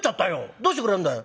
どうしてくれるんだよ？」。